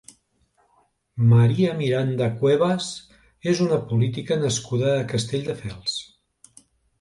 María Miranda Cuervas és una política nascuda a Castelldefels.